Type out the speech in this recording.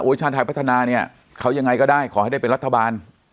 ชาติไทยพัฒนาเนี่ยเขายังไงก็ได้ขอให้ได้เป็นรัฐบาล